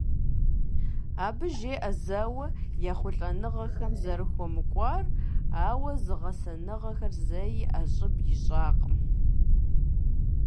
Абы жеӏэ зэуэ ехъулӏэныгъэхэм зэрыхуэмыкӏуар, ауэ зыгъэсэныгъэхэр зэи ӏэщӏыб ищӏакъым.